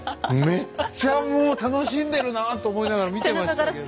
めっちゃもう楽しんでるなと思いながら見てましたけども。